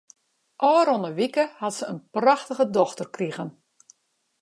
Ofrûne wike hat se in prachtige dochter krigen.